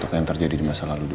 apa yang terjadi di masa lalu dulu